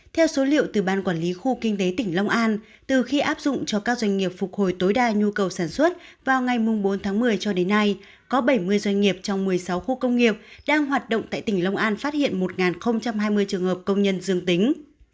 theo số liệu từ ban quản lý khu kinh tế tỉnh long an từ khi áp dụng cho các doanh nghiệp phục hồi tối đa nhu cầu sản xuất vào ngày bốn tháng một mươi cho đến nay có bảy mươi doanh nghiệp trong một mươi sáu khu công nghiệp đang hoạt động tại tỉnh long an phát hiện một hai mươi trường hợp công nhân dương tính